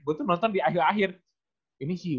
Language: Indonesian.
gue tuh nonton di akhir akhir ini sih